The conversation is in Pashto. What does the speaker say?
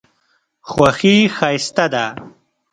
خوښي ښایسته ده.